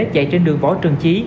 chạy trên đường võ trần chí